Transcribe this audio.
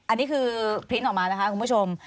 อันนี้คือพริ้นต์ออกมานะคะคุณผู้ชม